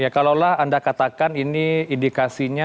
ya kalau lah anda katakan ini indikasinya